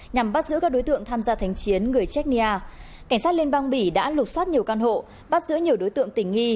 nhằm bắt giữ các đối tượng tham gia thành chiến người chernia cảnh sát liên bang bỉ đã lục xoát nhiều căn hộ bắt giữ nhiều đối tượng tình nghi